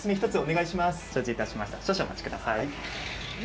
少々お待ちください。